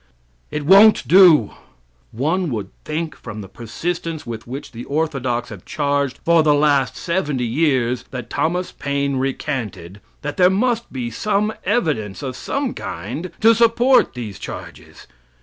It won't do." One would think from the persistence with which the orthodox have charged for the last seventy years that Thomas Paine recanted, that there must be some evidence of some kind to support these charges.